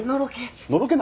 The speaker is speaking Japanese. のろけ。